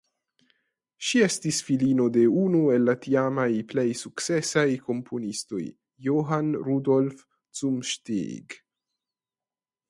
Ŝi estis filino de unu el la tiamaj plej sukcesaj komponistoj Johann Rudolf Zumsteeg.